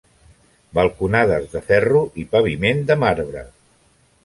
Balconades de ferro i paviment de marbre.